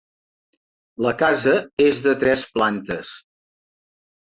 La casa és de tres plantes.